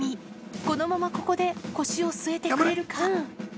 このまま、ここで腰を据えてくれるか。